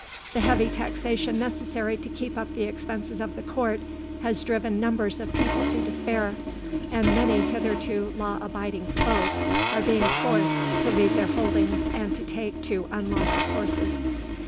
The heavy taxation necessary to keep up the expenses of the court has driven numbers of people to despair, and many hitherto law abiding folk are being forced to leave their holdings, and to take to unlawful courses.